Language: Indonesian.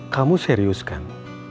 kamu serius kan